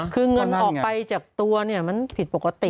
คือเงินออกไปจากตัวมันผิดปกติ